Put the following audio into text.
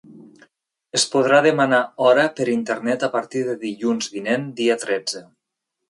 Es podrà demanar hora per internet a partir de dilluns vinent, dia tretze.